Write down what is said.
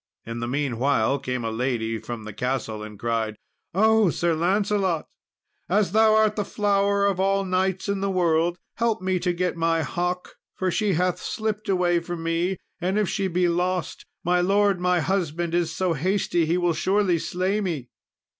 In the meanwhile, came a lady from the castle and cried, "Oh, Sir Lancelot! as thou art the flower of all knights in the world, help me to get my hawk, for she hath slipped away from me, and if she be lost, my lord my husband is so hasty, he will surely slay me!"